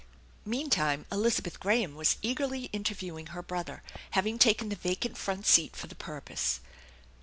Meantime Elizabeth Graham was eagerly interviewing her brother, having taken the vacant front seat for the purpose.